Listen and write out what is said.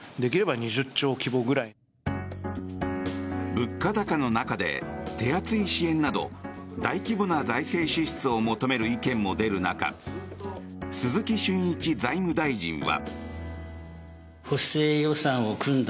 物価高の中で、手厚い支援など大規模な財政支出を求める意見も出る中鈴木俊一財務大臣は。